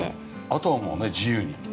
あとはもうね自由に。